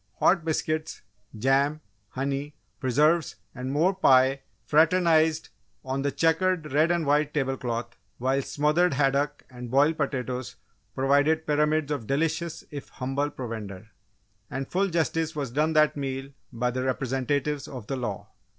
Hot biscuits, jam, honey, preserves, and more pie fraternised on the checkered red and white table cloth, while smothered haddock and boiled potatoes provided pyramids of delicious if humble provender. And full justice was done that meal by the Representatives of the Law!